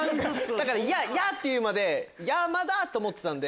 「や」って言うまで山田と思ってたんで。